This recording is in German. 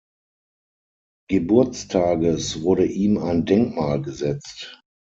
Geburtstages wurde ihm ein Denkmal gesetzt.